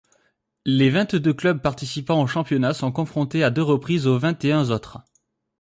Les vingt-deux clubs participants au championnat sont confrontés à deux reprises aux vingt-et-uns autres.